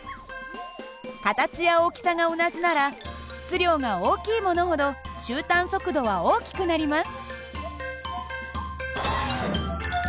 形や大きさが同じなら質量が大きいものほど終端速度は大きくなります。